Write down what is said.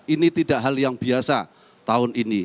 ini tidak hal yang biasa tahun ini